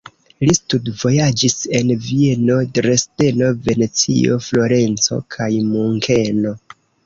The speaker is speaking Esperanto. Li studvojaĝis en Vieno, Dresdeno, Venecio, Florenco kaj Munkeno.